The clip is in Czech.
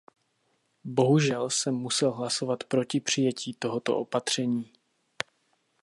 Bohužel jsem musel hlasovat proti přijetí tohoto opatření.